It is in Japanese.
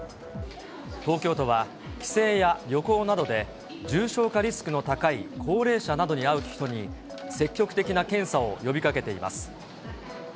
東京都は帰省や旅行などで、重症化リスクの高い高齢者などに会う人に、積極的な検査を呼びかけています。